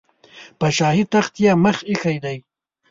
په شاهي تخت یې مخ ایښی دی.